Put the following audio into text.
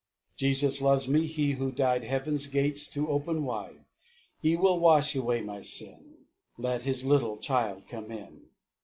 2. "Jesus loves me, He who died Heaven's gate to open wide; He will wash away my sin, Let His little child come in.